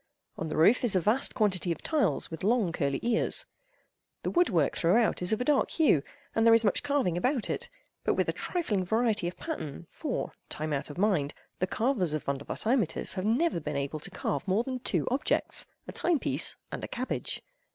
On the roof is a vast quantity of tiles with long curly ears. The woodwork, throughout, is of a dark hue and there is much carving about it, with but a trifling variety of pattern for, time out of mind, the carvers of Vondervotteimittiss have never been able to carve more than two objects—a time piece and a cabbage.